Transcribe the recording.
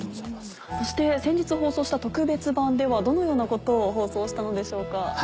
そして先日放送した特別版ではどのようなことを放送したのでしょうか？